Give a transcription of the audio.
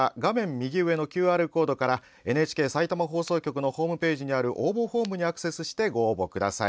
右上のＱＲコードからＮＨＫさいたま放送局のホームページにある応募フォームにアクセスしてご応募ください。